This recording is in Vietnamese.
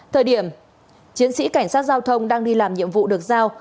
thời điểm chiến sĩ cảnh sát giao thông đang đi làm nhiệm vụ được giao